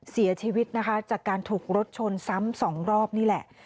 เสียชีวิตนะคะจากการถูกรถชนซ้ำสองรอบนี่แหละ